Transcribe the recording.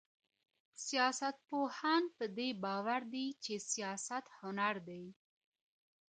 سياستپوهان په دې باور دي چي سياست هنر دی.